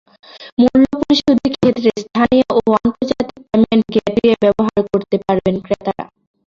মূল্য পরিশোধের ক্ষেত্রে স্থানীয় ও আন্তর্জাতিক পেমেন্ট গেটওয়ে ব্যবহার করতে পারবেন ক্রেতারা।